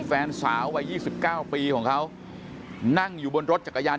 แฟนสาววัยยี่สิบเก้าปีของเขานั่งอยู่บนรถจักรยาน